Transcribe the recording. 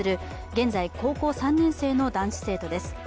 現在高校３年生の男子生徒です。